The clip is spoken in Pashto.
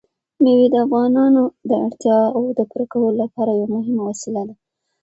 مېوې د افغانانو د اړتیاوو د پوره کولو یوه مهمه وسیله ده.